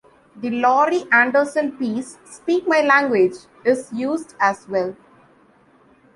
The Laurie Anderson piece "Speak My Language" is used as well.